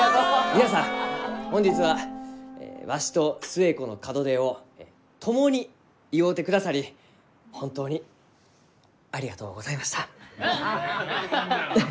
皆さん本日はわしと寿恵子の門出を共に祝うてくださり本当にありがとうございました。